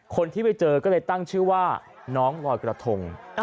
คนที่ไปเจอก็เลยตั้งชื่อว่าน้องลอยกระทง